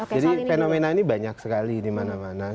jadi fenomena ini banyak sekali di mana mana